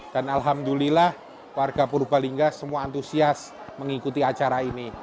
dan alhamdulillah warga purbalingga semua antusias mengikuti acara ini